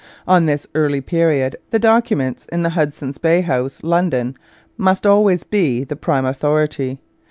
On this early period the documents in Hudson's Bay House, London, must always be the prime authority.